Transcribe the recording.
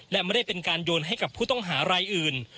และไม่ได้เป็นการโยนให้กับผู้ต้องหารายอื่น